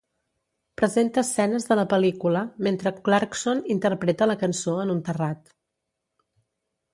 Presenta escenes de la pel·lícula, mentre Clarkson interpreta la cançó en un terrat.